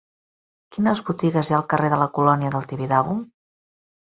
Quines botigues hi ha al carrer de la Colònia del Tibidabo?